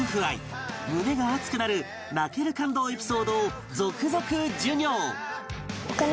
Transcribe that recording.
胸が熱くなる泣ける感動エピソードを続々授業！